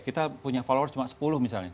kita punya followers cuma sepuluh misalnya